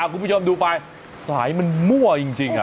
คุณผู้ชมดูไปสายมันมั่วจริง